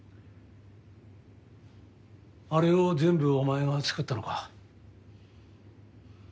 あれを全部お前が作ったのか。